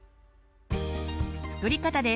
作り方です。